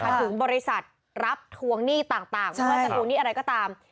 ถึงบริษัทรับทวงหนี้ต่างไม่ว่าจะทวงหนี้อะไรก็ตาม